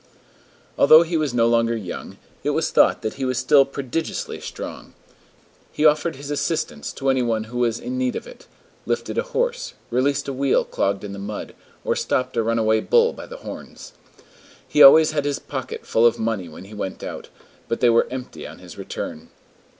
Although he was no longer young, it was thought that he was still prodigiously strong. He offered his assistance to any one who was in need of it, lifted a horse, released a wheel clogged in the mud, or stopped a runaway bull by the horns. He always had his pockets full of money when he went out; but they were empty on his return.